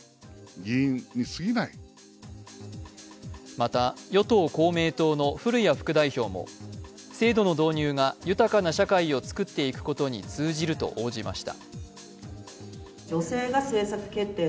また、与党・公明党の古屋副代表も制度の導入が豊かな社会を作っていくことに通じると応じました。